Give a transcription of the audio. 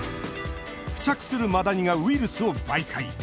付着するマダニがウイルスを媒介。